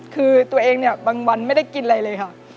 คือตัวเองเนี่ยบางวันไม่ได้กินอะไรเลยค่ะ